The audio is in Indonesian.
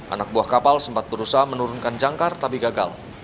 anak buah kapal sempat berusaha menurunkan jangkar tapi gagal